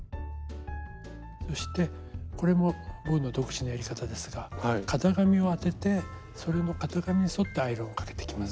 そしてこれも僕の独自のやり方ですが型紙を当ててそれの型紙に沿ってアイロンをかけていきます。